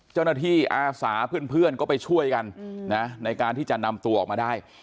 เจ้าหน้าที่อาสาเพื่อนก็ไปช่วยกันในการที่จะนำตัวออกมาได้